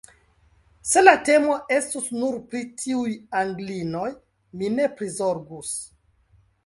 Se la temo estus nur pri tiuj Anglinoj, mi ne prizorgus.